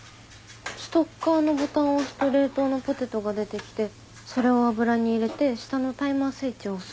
ストッカーのボタンを押すと冷凍のポテトが出て来てそれを油に入れて下のタイマースイッチを押す。